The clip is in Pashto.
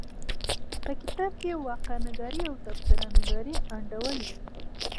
په کتاب کې واقعه نګاري او تبصره نګاري انډول دي.